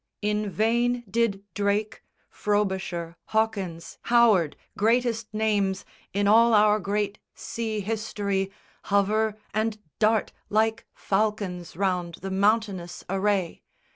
In vain did Drake, Frobisher, Hawkins, Howard, greatest names In all our great sea history, hover and dart Like falcons round the mountainous array.